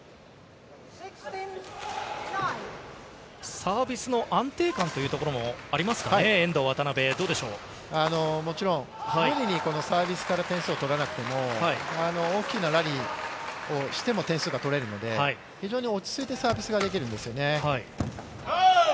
サービスの安定感というところももちろん無理にサービスから点数を取らなくても大きなラリーをしても点数が取れるので非常に落ち着いてサービスができるんですね。